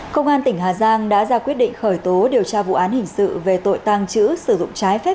công an tỉnh hà giang đã ra quyết định khởi tố điều tra vụ án hình sự về tội tàng trữ sử dụng trái phép